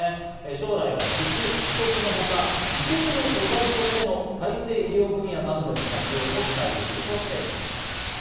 将来は義手や義足のほか、移植の素材としての再生医療分野などでの活用も期待できるとしています。